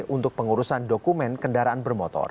untuk pengurusan dokumen kendaraan bermotor